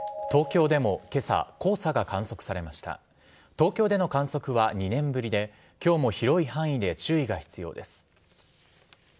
東京での観測は２年ぶりで今日も広い範囲で注意が必要です。